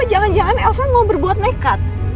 jangan jangan elsa mau berbuat nekat